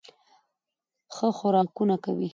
ښه خوراکونه کوي